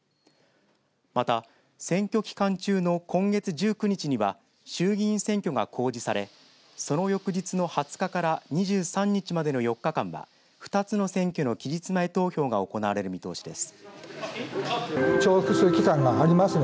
また選挙期間中の今月１９日には衆議院選挙が公示されその翌日の２０日から２３日までの４日間は２つの選挙の期日前投票が行われる見通しです。